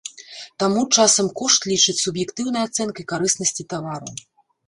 Таму часам кошт лічаць суб'ектыўнай ацэнкай карыснасці тавару.